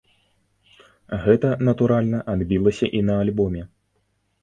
Гэта, натуральна, адбілася і на альбоме.